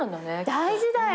大事だよ。